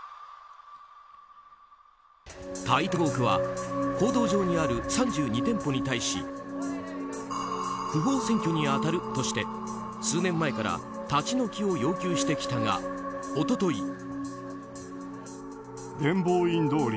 台東区は公道上にある３２店舗に対し不法占拠に当たるとして数年前から立ち退きを要求してきたが一昨日。